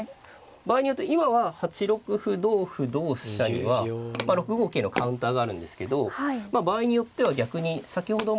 場合によって今は８六歩同歩同飛車には６五桂のカウンターがあるんですけど場合によっては逆に先ほどまでまあ